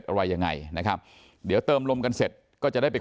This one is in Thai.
อะไรยังไงนะครับเดี๋ยวเติมลมกันเสร็จก็จะได้ไป